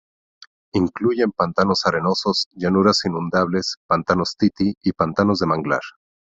Incluyen pantanos arenosos, llanuras inundables, pantanos Titi, y pantanos de manglar.